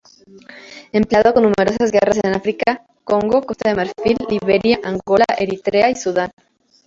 Empleado en numerosas guerras en África: Congo, Costa de Marfil, Liberia, Angola, Eritrea, Sudán.